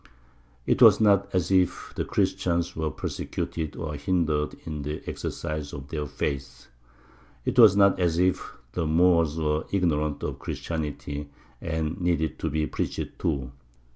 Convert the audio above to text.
It was not as if the Christians were persecuted or hindered in the exercise of their faith; it was not as if the Moors were ignorant of Christianity and needed to be preached to.